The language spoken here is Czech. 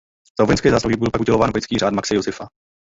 Za vojenské zásluhy byl pak udělován Vojenský řád Maxe Josefa.